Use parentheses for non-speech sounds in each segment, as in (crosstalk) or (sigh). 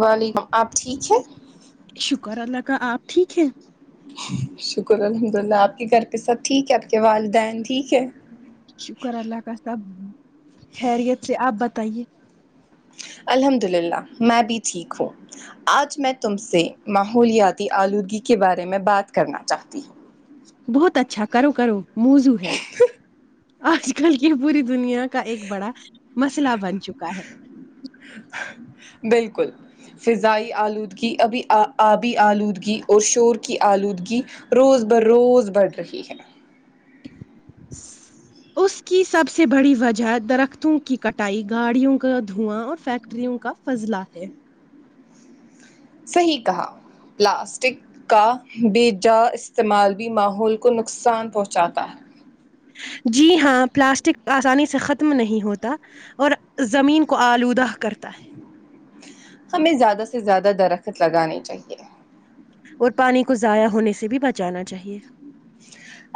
وعلیکم آپ ٹھیک ہیں شکر اللہ کا آپ ٹھیک ہے شکر الحمد اللہ آپ کے گھر پہ سب ٹھیک ہے آپ کے والدین ٹھیک ہے شکر اللہ کا سب خیریت سے آپ بتائیے الحمد للہ میں بھی ٹھیک ہوں آج میں تم سے ماحولیاتی آلودگی کے بارے میں بات کرنا چاہتی ہوں بہت اچھا کرو کرو موضوع ہے آج کل کی پوری دنیا کا ایک بڑا مسئلہ بن چکا ہے بالکل فضائی آلودگی ابھی آبی آلودگی اور شور کی آلودگی روز بر روز بڑھ رہی ہے (inaudible) اس کی سب سے بڑی وجہ درختوں کی کٹائی گاڑیوں کا دھواں اور فیک ٹریوں کا فضلہ ہے صحیح کہا پلاسٹک کا بیجا استعمال بھی ماحول کو نقصان پہنچاتا ہے جی ہاں پلاسٹک آسانی سے ختم نہیں ہوتا اور زمین کو آلودہ کرتا ہے ہمیں زیادہ سے زیادہ درخت لگانے چاہیے اور پانی کو ضائع ہونے سے بھی بچانا چاہیے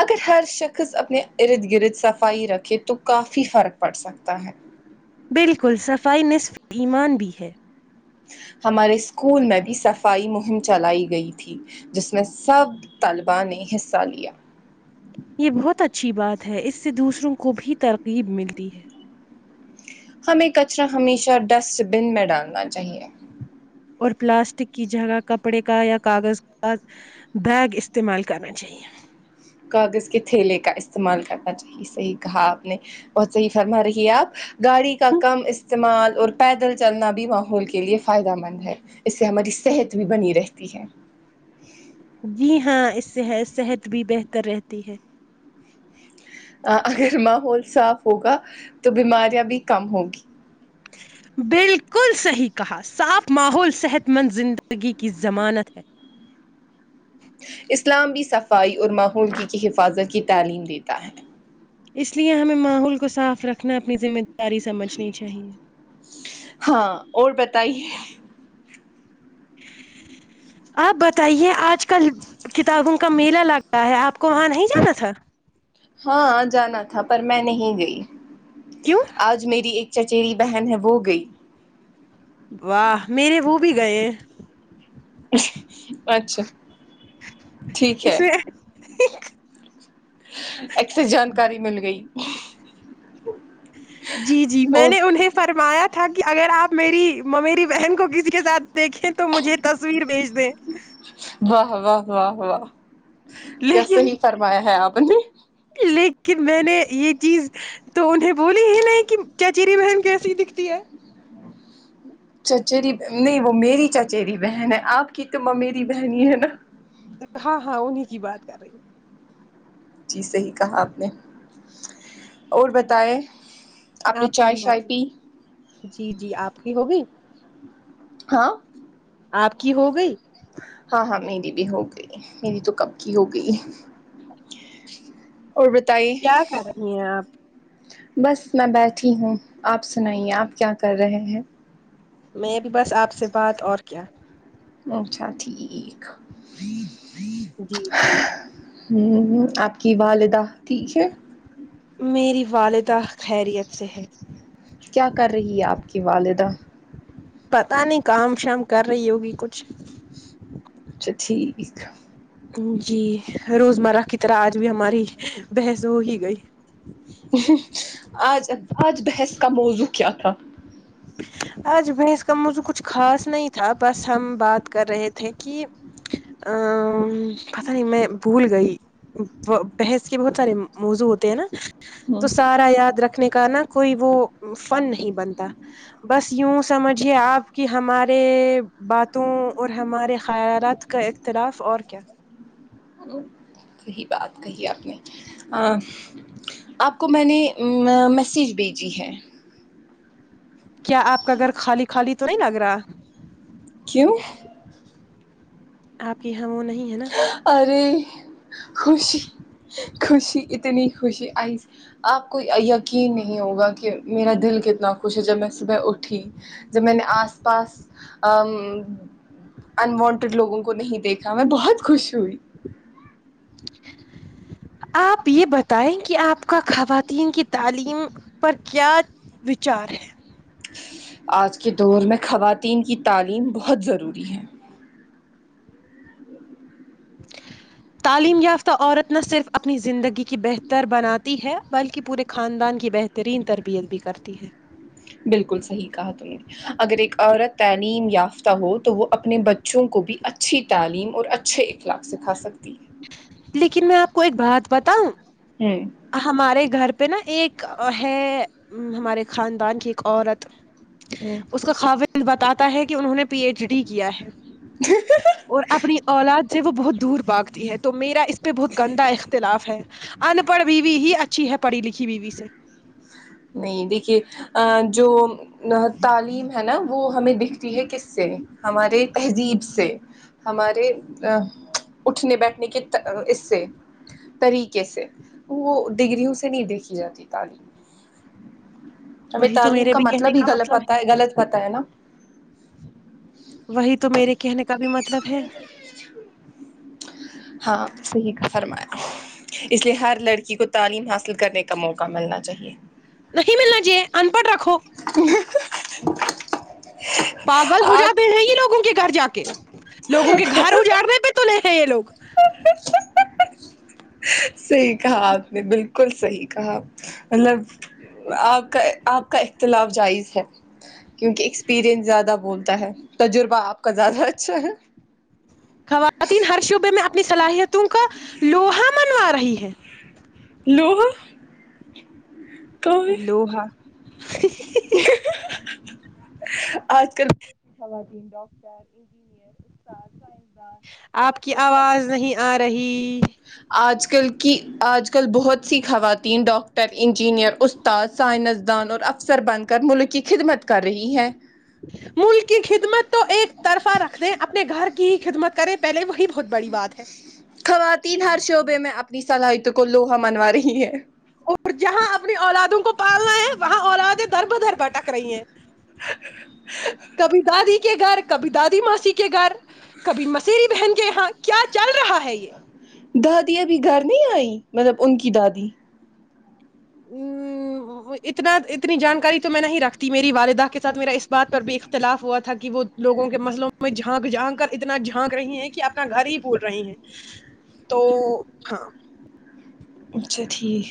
اگر ہر شخص اپنے ارد گرد صفائی رکھے تو کافی فرق پڑ سکتا ہے بالکل صفائی نصف ایمان بھی ہے ہمارے اسکول میں بھی صفائی مہم چلائی گئی تھی جس میں سب طلبا نے حصہ لیا یہ بہت اچھی بات ہے اس سے دوسروں کو بھی ترغیب ملتی ہے ہمیں کچرا ہمیشہ ڈسٹ بن میں ڈالنا چاہیے اور پلاسٹک کی جگہ کپڑے کا یا کاغذ کا بیگ استعمال کرنا چاہیے کاغذ کے تھیلے کا استعمال کرنا چاہیے صحیح کہا آپ نے بہت صحیح فرما رہی ہے آپ گاڑی کا ہم، کم اس تعمال اور پیدل چلنا بھی ماحول کے لیے فائدہ مند ہے اس سے ہماری صحت بھی بنی رہتی ہے جی ہاں اس سے ہے صحت بھی بہتر رہتی ہے اگر ماحول صاف ہوگا تو بیماریاں بھی کم ہوگی بالکل صحیح کہا صاف ماحول صحت مند زندگی کی ضمانت ہے اسلام بھی صفائی اور ماحولگی کی حفاظت کی تعلیم دیتا ہے اس لیے ہمیں ماحول کو صاف رکھنا اپنی ذمہ داری سمجھنی چاہیے ہاں اور بتائیے آپ بتائیے آج کل کتابوں کا میلہ لگ رہا ہے آپ کو وہاں نہیں جانا تھا ہاں جانا تھا پر میں نہیں گئی کیوں آج میری ایک چچیری بہن ہے وہ گئی واہ میرے وہ بھی گئے ہیں اچھا ٹھیک ہے اس میں اچھا جانکاری مل گئی جی جی میں اور نے انہیں فرمایا تھا کہ اگر آپ میری ممیری بہن کو کسی کے ساتھ دیکھیں تو مجھے تصویر بھیج دیں واہ واہ واہ واہ کیا لیکن صحیح فرمایا ہے آپ نے لیکن میں نے یہ چیز تو انہیں بولی ہی نہیں کہ چچیری بہن کیسی دکھتی ہے چچیری نہیں وہ میری چچیری بہن ہے آپ کی تو ممیری بہن ہی ہے نا ہاں ہاں انہیں کی بات کر رہی ہوں جی صحیح کہا آپ نے اور بتائے نے آپ چائے شائے فرمائے پی جی جی آپ کی ہوگئی ہاں آپ کی ہو گئی ہاں ہاں میری بھی ہو گئی میری تو کب کی ہو گئی اور بتائی کیا کر رہی ہیں آپ بس میں بیٹھی ہوں آپ سنائیے آپ کیا کر رہے ہیں میں ابھی بس آپ سے بات اور کیا اچھا ٹھیک جی جی ہوں آپ کی والدہ ٹھیک ہے میری والدہ خیریت سے ہے کیا کر رہی ہے آپ کی والدہ پتا نہیں کام شام کر رہی ہوگی کچھ اچھا ٹھیک اسکا جی روزمرہ کی طرح آج بھی ہماری بحث ہو ہی گئی ہ آج آج بحث کا موضوع کیا تھا آج بحث کا موضوع کچھ خاص نہیں تھا بس ہم بات کر رہے تھے کی ا پتہ نہیں میں بھول گئی ب بحث کے بہت سارے م موضوع ہوتے ہیں نا ہ تو سارا یاد رکھنے کا نا کوئی وہ فن نہیں بنتا بس یوں سمجھیے آپ کہ ہمارے باتوں اور ہمارے خیالات کا اختلاف اور کیا صحیح بات کہی آپ نے اں آپ کو میں نے ا میسیج بھیجی ہے کیا آپ کا گھر خالی خالی تو نہیں لگ رہا کیوں آپ کی ہم وہ نہیں ہے نا ارے خوشی خوشی اتنی خوشی آئی آپ کو ی یقین نہیں ہوگا کہ میرا دل کتنا خوش ہے جب میں صبح اٹھی جب میں نے آس پاس ام ان وانٹیڈ لوگوں کو نہیں دیکھا میں بہت خوش ہوئی (inaudible) آپ یہ بتائیں کہ آپ کا خواتین کی تعلیم پر کیا وچار ہے آج کے دور میں خواتین کی تعلیم بہت ضروری ہے تعلیم یافتہ عورت نہ صرف اپنی زندگی کی بہتر بناتی ہے بلکہ پورے خاندان کی بہ ترین تربیت بھی کرتی ہے بالکل صحیح کہا تم نے اگر ایک عورت تعلیم یافتہ ہو تو وہ اپنے بچ وں کو بھی اچھی تعلیم اور اچھے اخلاق سکھا سکتی لیکن میں آپ کو ایک بات بتاؤں ہے ہوں ہمارے گھر پہ نا ایک ا ہے ہمارے خاندان کی ایک عورت ہوں اس کا خاون بتاتا ہے کہ انہوں نے پی ایچ ڈی کیا ہے اور اپنی اولاد سے وہ بہت دور بھاگ تی ہے تو میرا اس پہ بہت گندا اختلاف ہے ان پڑھ بیوی ہی اچھی ہے پڑھی لکھی بیوی سے نہیں دیکھیے آں جو تعلیم ہے نا وہ ہمیں دکھتی ہے کس سے ہمارے تہذیب سے ہمارے ا اٹھنے بیٹھنے کے اس سے طریقے سے وہ ڈگریوں سے نہیں دیکھی جاتی تعلیم ہمیں وہی تو تعلیم میرے کا بھی کہنے مطلب ہی غلط پتا ہے غلط پتا ہے نا وہی تو میرے کہنے کا بھی مطلب ہے ہاں صحیح کہا فرمایا اس لیے ہر لڑکی کو تعلیم حاصل کرنے کا موقع ملنا چاہیے نہیں ملنا چاہے ان پڑھ رکھو پاگل ہو آپ جاتے ہیں یہ لوگوں کے گھر جا کے لوگوں کے گھر اجاڑنے پہ تلے ہیں یہ لوگ صحیح کہا آپ نے بالکل صحیح کہا مطلب آپ کا آپ کا اختلاف جائز ہے کیونکہ ایکسپیرئنس زیادہ بولتا ہے تجربہ آپ کا زیادہ اچھا ہے خواتین ہر شعبے میں اپنی صلاحیتوں کا لوہا منوا رہی ہے لوہا (inaudible) لوحا آج کل خواتین ڈاکٹر انجینئر استاد آپ کی سائنسدان اور افسر بن آواز کر نہیں آ رہی آج کل کی آج کل بہت سی خواتین ڈاکٹر انجینئر اس تاذ سائنسدان اور افسر بن کر ملک کی خدمت کر رہی ہیں ملک کی خدمت تو ایک طرفہ رکھ دیں اپنے گھر کی ہی خدمت کریں پہلے وہی بہت بڑی بات ہے خواتین ہر شعبے میں اپنی صلاحیتوں کو لوہا منوا رہی ہیں اور جہاں اپنی اولادوں کو پالنا ہے وہاں اولادیں در بہ در بھٹک رہی ہیں (inaudible) کبھی دادی کے گھر کبھی دادی ماسی کے گھر کبھی موسیری بہن کے یہاں کیا چل رہا ہے یہ دادی ابھی گھر نہیں آئی مطلب ان کی دادی و وہ اتنا اتنی جانکاری تو میں نہیں رکھتی میری والدہ کے ساتھ میرا اس بات پر بھی اختلاف ہوا تھا کہ وہ لوگوں کے مسلوں میں جھانک جھانک کر اتنا جھانک رہی ہے کہ اپنا گھر ہی بھول رہی ہیں تو ہاں اچھا ٹھیک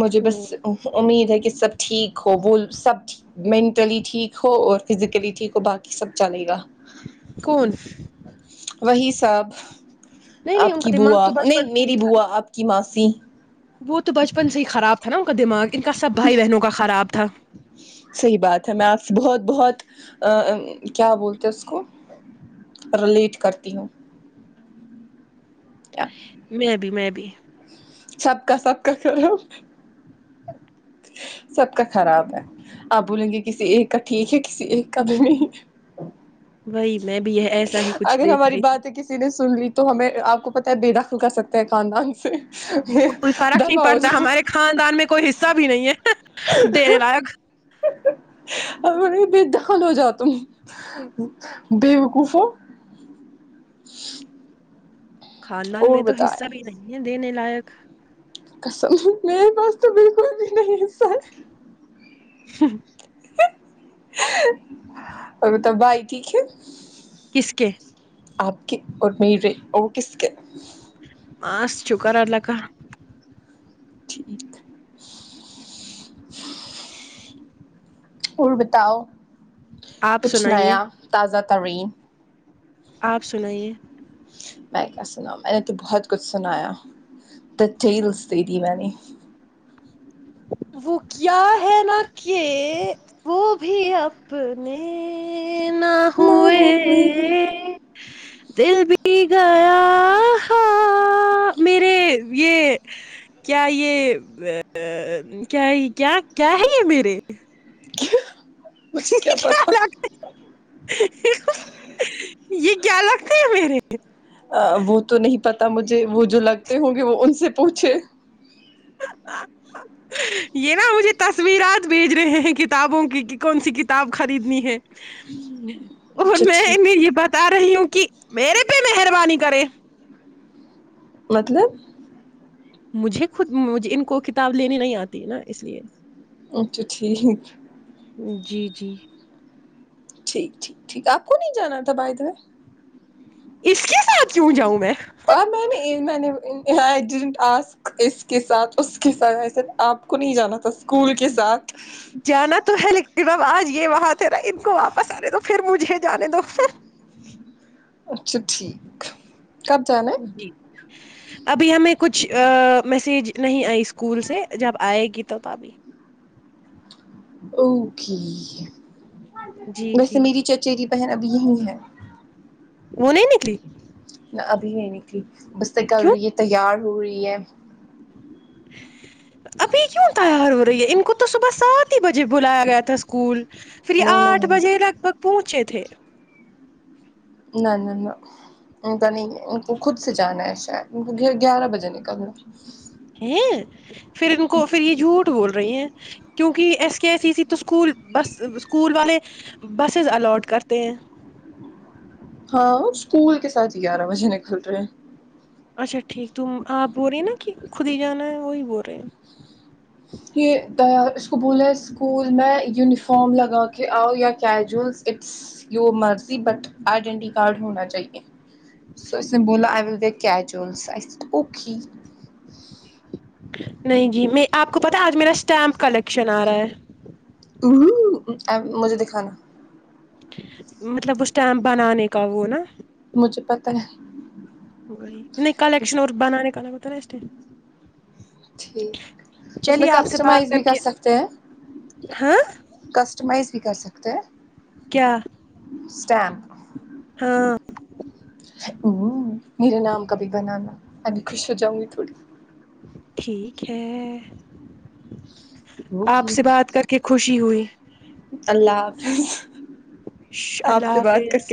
مجھے بس ا امید ہے کہ سب ٹھیک ہو وہ سب مینٹلی ٹھیک ہو اور فزیکلی ٹھیک ہو باقی سب چلے گا کول وہی سب نہیں نہیں آپ ان کا کی دماغ بوا تو بچپن نہیں سے ہی میری تھا بوا آپ کی ماسی وہ تو بچپن سے ہی خراب تھا نا ان کا دماغ ان کا سب بھائی بہنوں کا خراب تھا صحیح بات ہے میں آپ سے بہت بہت ا کیا بولتے اس کو ریلیٹ کرتی ہوں یا میں بھی میں بھی سب کا سب کا کرو سب کا خراب ہے آپ بولیں گے کسی ایک کا ٹھیک ہے کسی ایک کا بھی نہیں وہی میں بھی یہ ایسا ہی کچھ اگر دیکھ ہماری رہی باتیں کسی نے سن لی تو ہمیں آپ کو پتا ہے بے دخل کر سکتے ہیں خاندان سے کوئی فرق نہیں دفع ہو پڑتا جاؤ ہمارے خاندان میں کوئی حصہ بھی نہیں ہے دینے لائق ا ب دان ہو جا تم بےوقوف ہو خاندان اور میں تو حصہ بتائیں بھی نہیں ہے دینے لائق قسم میرے پاس تو بلکل بھی نہیں ہے سہل اور بتاؤ بھائی ٹھیک ہے کس کے آپ کے اور میرے اور کس کے آںس شکر ہے اللہ کا ٹھیک اور بتاؤ آپ کچھ سنائیے نیا تازہ ترین آپ سنائیے میں کیا سناو میں نے تو بہت کچھ سنایا (unintelligible) دیدی میں نے وہ کیا ہے نہ کہ وہ بھی اپنے نے نہ ہوئے دل بھی گیا ہا میرے یہ کیا یہ آ کیا ہے یہ کیا کیا ہے یہ میرے مجھے کیا پتا یہ کیا لگتے ہیں میرے آں وہ تو نہیں پتا مجھے وہ جو لگتے ہوں گے وہ ان سے پوچھے یہ نا مجھے تصویرات بھیج رہے ہیں کتابوں کی کہ کون سی کتاب خریدنی ہے اور اچھا میں ٹھیک انہیں یہ بتا رہی ہوں کہ میرے پہ مہربانی کرے مطلب مجھے خود مجھ ان کو کتاب لینے نہیں آتی ہے نا اس لیے اچھا ٹھیک جی جی ٹھیک ٹھیک ٹھیک آپ کو نہیں جانا تھا بائی دا وے اس کے ساتھ کیوں جاؤں میں آ میں نے میں نے ای دیڈنٹ آسک اس کے ساتھ اس کے ساتھ ایسے آپ کو نہیں جانا تھا اسکول کے ساتھ جانا تو ہے لیکن اب آج یہ وہاں تھے نا ان کو واپس آنے دو پھر مجھے جانے دو اچھا ٹھیک کب جانا ہے جی ابھی ہمیں کچھ آآ میسج نہیں آئی اسکول سے جب آئے گی تو تبھی اوکے جی ویسے جی میری چچیری بہن ابھی یہی ہے وہ نہیں نکلی ابھی نہیں نکلی بس نکل کیوں رہی ہے تیار ہو رہی ہے ابھی کیوں تیار ہو رہی ہے ان کو تو صبح سات ہی بجے بلایا گیا تھا اسکول پھر یہ نو نو آٹھ نو بجے لگ بھگ پہنچے تھے نا نا نا نہیں ان کو خود سے جانا ہے شاید گیارہ بجے نکلنا ہیں پھر ان کو پھر یہ جھوٹ بول رہی ہیں کیونکہ ایس کے ایسی تو اسکول بس اسکول والے بسسیز الاٹ کرتے ہیں ہاں اسکول کے ساتھ گیارہ بجے نکل رہے ہیں اچھا ٹھیک تم آپ بول رہے ہیں نا کی خود ہی جانا ہے وہی بول رہے ہیں کہ اس کو بولے اسکول میں یونیفام لگا کے آو یہ کاجولس اٹس جو مرضی بٹ آئیڈینٹی کارڈ ہونا چاہیے سو اسنے بولا I will take casuals I said okay نہیں جی میں آپ کو پتا آج میرا اسٹمپ کلیکشن آ رہا ہے مجھے دکھانا مطلب اس ٹامپ بنانے کا وہ نا مجھے پتا ہیں وہی نی کلیکشن اور بنانے کا لگترا ویسٹ ہے ٹھیک اس میں چلیے آپ سے بات کسٹمائز بھی کر کے سکتے ہیں ہاں کسٹمائز بھی کر سکتے ہیں کیا اسٹامپ ہاں اممم میرا نام کا بھی بنانا ابھی خوش ہو جاؤں گی تھوڑی ٹھیک ہے آپ اوکے سے بات کر کے خوشی ہوئی اللہ حافظ ش- آپ اللہ سے بات کر حافظ کے